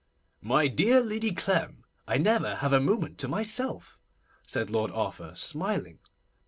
'My dear Lady Clem, I never have a moment to myself,' said Lord Arthur, smiling.